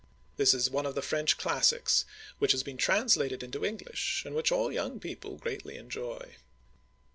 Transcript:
This is one of the French classics which has been translated into English, and which all young people greatly enjoy.